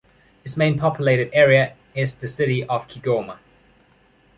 Its main populated area is the city of Kigoma.